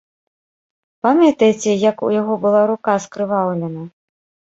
Памятаеце, як у яго была рука скрываўлена?